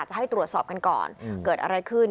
จะให้ตรวจสอบกันก่อนเกิดอะไรขึ้น